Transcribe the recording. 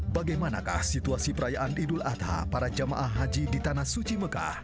bagaimanakah situasi perayaan idul adha para jamaah haji di tanah suci mekah